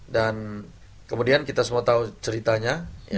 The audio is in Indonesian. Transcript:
dan kemudian kita semua tahu ceritanya